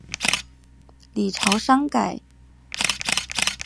李朝隐改调任岐州刺史。